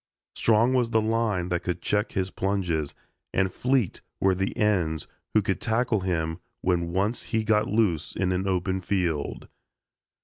Strong was the line that could check his plunges, and fleet were the ends who could tackle him when once he got loose in an open field.